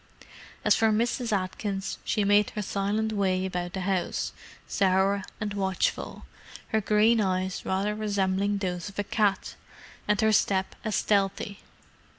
As for Mrs. Atkins, she made her silent way about the house, sour and watchful, her green eyes rather resembling those of a cat, and her step as stealthy.